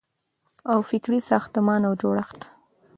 او فکري ساختمان او جوړښت